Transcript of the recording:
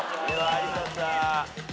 有田さん。